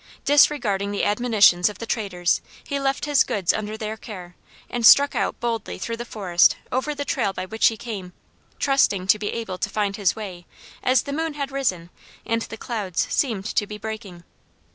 Disregarding the admonitions of the traders, he left his goods under their care and struck out boldly through the forest over the trail by which he came, trusting to be able to find his way, as the moon had risen, and the clouds seemed to be breaking.